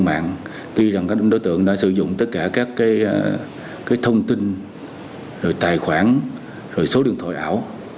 trang mạng tuy rằng các đối tượng đã sử dụng tất cả các thông tin tài khoản số điện thoại ảo